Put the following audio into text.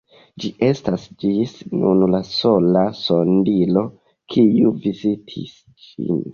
Ĝi estas ĝis nun la sola sondilo, kiu vizitis ĝin.